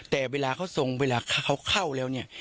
แต่เวลาเขาทรงเวลาเขาเข้าแล้วเนี่ย